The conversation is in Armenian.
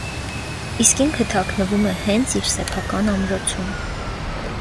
Իսկ ինքը թաքնվում է հենց իր սեփական ամրոցում։